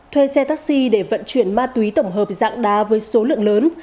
thuê xe taxi để vận chuyển ma túy tổng hợp dạng đá với số lượng lớn